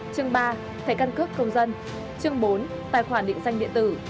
chương ba thẻ căn cước công dân chương bốn tài khoản định danh điện tử